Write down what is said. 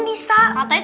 bisa yang juga